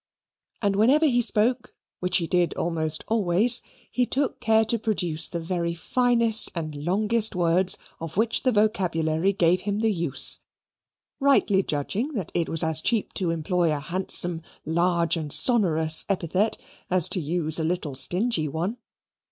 And whenever he spoke (which he did almost always), he took care to produce the very finest and longest words of which the vocabulary gave him the use, rightly judging that it was as cheap to employ a handsome, large, and sonorous epithet, as to use a little stingy one.